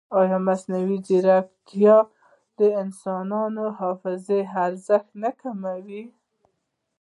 ایا مصنوعي ځیرکتیا د انساني حافظې ارزښت نه کموي؟